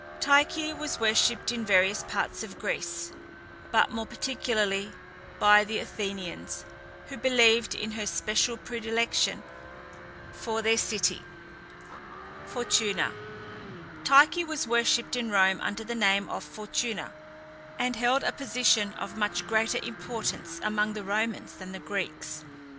Tyche was worshipped in various parts of Greece, but more particularly by the Athenians, who believed in her special predilection for their city. FORTUNA. Tyche was worshipped in Rome under the name of Fortuna, and held a position of much greater importance among the Romans than the Greeks.